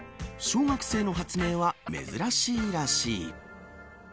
小学生の発明は珍しいらしい。